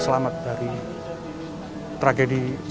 selamat dari tragedi tragedi